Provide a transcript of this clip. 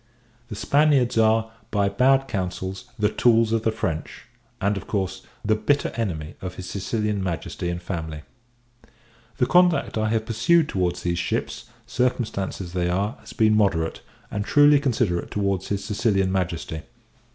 The Spaniards are, by bad councils, the tools of the French; and, of course, the bitter enemy of his Sicilian Majesty and family. The conduct I have pursued towards these ships, circumstanced as they are, has been moderate, and truly considerate towards his Sicilian Majesty.